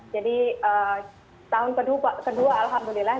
jadi tahun kedua alhamdulillah